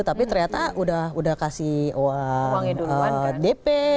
tapi ternyata udah kasih uang dp